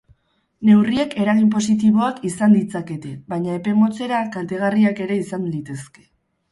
Neurriek eragin positiboak izan ditzakete, baina epe motzera kaltegarriak ere izan litezke.